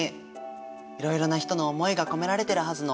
いろいろな人の思いが込められてるはずの服。